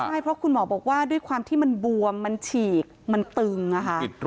ใช่เพราะคุณหมอบอกว่าด้วยความที่มันบวมมันฉีกมันตึงอะค่ะ